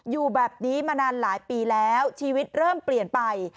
อยู่แบบนี้มานานหลายปีแล้วชีวิตเริ่มเปลี่ยนไป